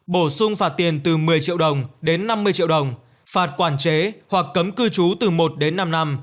bổ sung phạt tiền từ một mươi triệu đồng đến năm mươi triệu đồng phạt quản chế hoặc cấm cư trú từ một đến năm năm